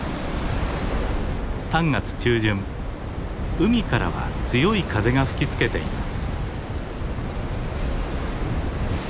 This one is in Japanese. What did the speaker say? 海からは強い風が吹きつけています。